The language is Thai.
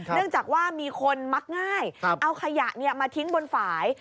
เนื่องจากว่ามีคนมักง่ายเอาขยะมาทิ้งบนฝ่าย